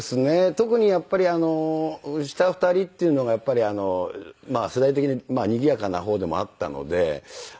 特にやっぱり下２人っていうのがやっぱり世代的ににぎやかな方でもあったので。